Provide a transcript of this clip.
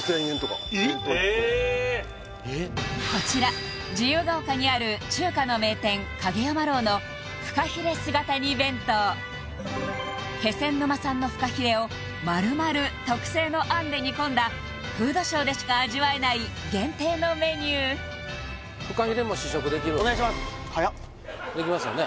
えっこちら自由が丘にある中華の名店蔭山樓の気仙沼産のフカヒレを丸々特製のあんで煮込んだフードショーでしか味わえない限定のメニュー早っできますよね？